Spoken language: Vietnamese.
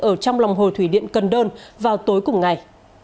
ở trong lòng hồ thủy điện cần đơn vào tối cùng ngày